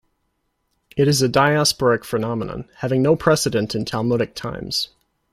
It is a diasporic phenomenon, having no precedent in Talmudic times.